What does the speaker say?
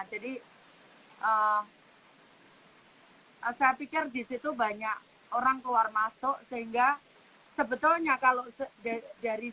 jadi saya pikir di situ banyak orang keluar masuk sehingga sebetulnya kalau dan apapun allah allah admin ya